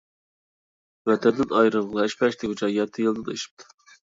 ۋەتەندىن ئايرىلغىلى ھەش-پەش دېگۈچە يەتتە يىلدىن ئېشىپتۇ.